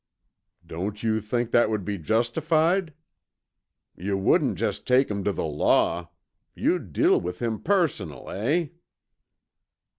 "Don't you think that would be justified?" "Yuh wouldn't jest take him tuh the law. You'd deal with him personal, eh?"